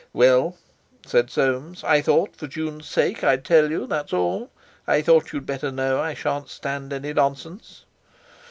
"Well," said Soames; "I thought, for Jun's sake, I'd tell you, that's all; I thought you'd better know I shan't stand any nonsense!"